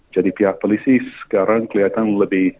jadi pihak polisi sekarang kelihatan lebih